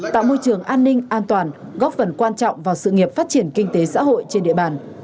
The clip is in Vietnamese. tạo môi trường an ninh an toàn góp phần quan trọng vào sự nghiệp phát triển kinh tế xã hội trên địa bàn